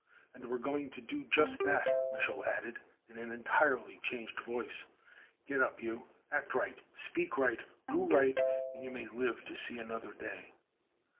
"And we're going to do just that!" Mich'l added in an entirely changed voice. "Get up, you. Act right, speak right, do right, and you may live to see another day."